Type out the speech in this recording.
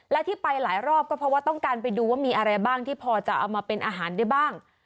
และที่ไปหลายรอบก็เพราะว่าต้องการไปดูว่ามีอะไรบ้างที่พอจะเอามาเป็นอาหารได้บ้าง